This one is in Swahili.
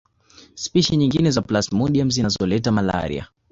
Spishi nyingine za plasmodium zinazoleta malaria